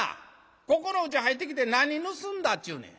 ここのうち入ってきて何盗んだっちゅうねん。